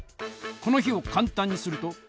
この比をかんたんにすると？